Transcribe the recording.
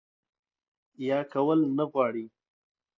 يا کول نۀ غواړي